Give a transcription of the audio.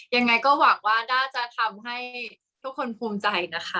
ยังไงก็หวังว่าน่าจะทำให้ทุกคนภูมิใจนะคะ